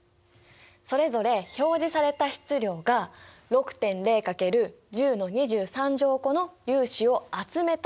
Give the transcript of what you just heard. それぞれ表示された質量が６．０×１０の２３乗個の粒子を集めた量だってこと。